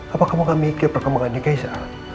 apa kamu gak mikir perkembangannya keisha